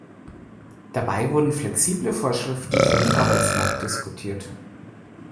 Dabei wurden flexible Vorschriften für den Arbeitsmarkt diskutiert.